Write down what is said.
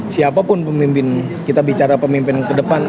siapapun pemimpin kita bicara pemimpin ke depan